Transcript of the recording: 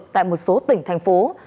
tại một số tỉnh thành phố